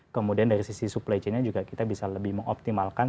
kemudian dari sisi supply chainnya juga kita bisa lebih mengoptimalkan